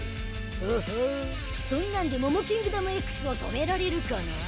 ほほうそんなんでモモキングダムＸを止められるかな？